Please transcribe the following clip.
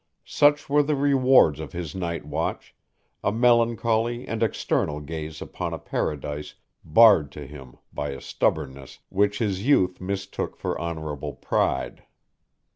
Such were the rewards of his night watch, a melancholy and external gaze upon a Paradise barred to him by a stubbornness which his youth mistook for honorable pride.